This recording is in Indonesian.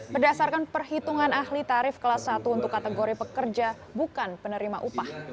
berdasarkan perhitungan ahli tarif kelas satu untuk kategori pekerja bukan penerima upah